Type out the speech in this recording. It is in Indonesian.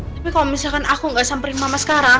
tapi kalau misalkan aku nggak samperin mama sekarang